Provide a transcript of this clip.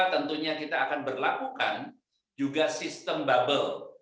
tentunya kita akan berlakukan juga sistem bubble